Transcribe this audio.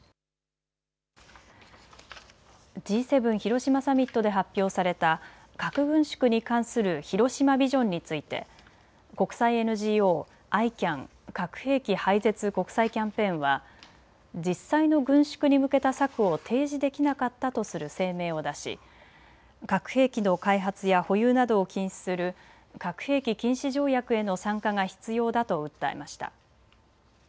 Ｇ７広島サミットで発表された核軍縮に関する広島ビジョンについて国際ＮＧＯ、ＩＣＡＮ・核兵器廃絶国際キャンペーンは実際の軍縮に向けた策を提示できなかったとする声明を出し核兵器の開発や保有などを禁止する核兵器禁止条約への参加が必要だと訴えました。